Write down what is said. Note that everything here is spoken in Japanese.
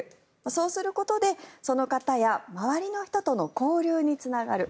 そうすることでその方や周りの人との交流につながる。